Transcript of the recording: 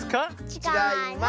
ちがいます。